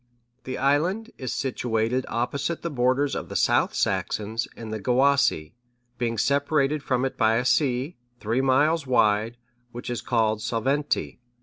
(641) The island is situated opposite the borders of the South Saxons and the Gewissae, being separated from it by a sea, three miles wide, which is called Solvente.